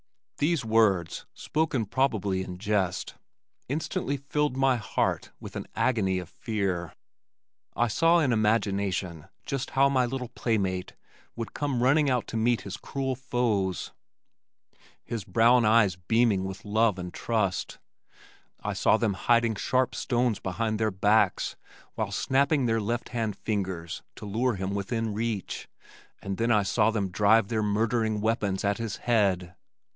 These words, spoken probably in jest, instantly filled my heart with an agony of fear. I saw in imagination just how my little playmate would come running out to meet his cruel foes, his brown eyes beaming with love and trust, I saw them hiding sharp stones behind their backs while snapping their left hand fingers to lure him within reach, and then I saw them drive their murdering weapons at his head.